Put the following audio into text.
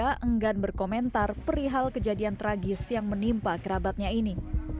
tanggan berkomentar perihal kejadian tragis yang menimpa kerabatnya ini